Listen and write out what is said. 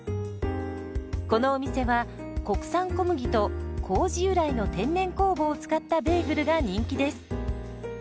このお店は国産小麦と麹由来の天然酵母を使ったベーグルが人気です。